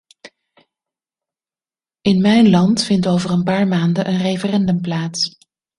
In mijn land vindt over een paar maanden een referendum plaats.